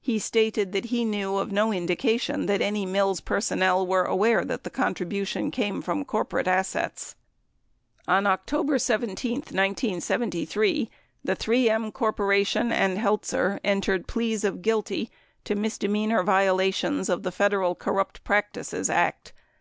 He stated that he knew of no indication that any Mills personnel were aware that the contribution came from corporate assets. On October 17, 1973, the 3 M Corp. and Heltzer entered pleas of guilty to misdemeanor violations of the Federal Corrupt Practices Act.